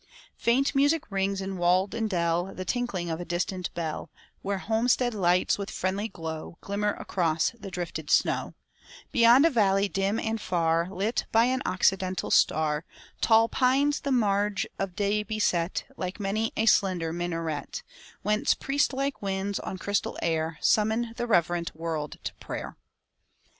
80 ni Faint music rings in wold and dell, The tinkling of a distant bell, Where homestead lights with friendly glow Glimmer across the drifted snow ; Beyond a valley dim and far Lit by an occidental star, Tall pines the marge of day beset Like many a slender minaret, Whence priest like winds on crystal air Summon the reverent world to prayer.